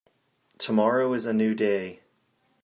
Tomorrow is a new day.